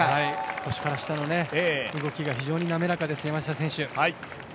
腰から下の動きが非常になめらかです山下選手。